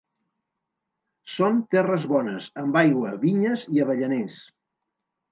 Són terres bones, amb aigua, vinyes i avellaners.